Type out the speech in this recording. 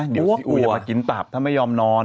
เดี๋ยวซีอุยกินตับมาไม่ยอมนอน